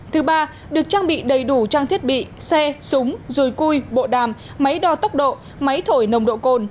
thứ ba được trang bị đầy đủ trang thiết bị xe súng dùi cui bộ đàm máy đo tốc độ máy thổi nồng độ cồn